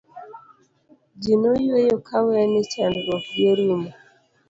ji noyueyo kawe ni chandruok gi orumo